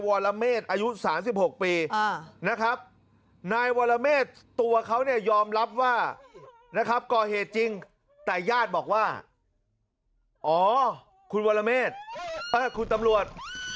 ว่านะครับกอเหตุจริงแต่ญาติบอกว่าอ๋อคุณวรเมษคุณตำรวจ